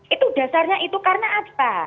itu dasarnya itu karena apa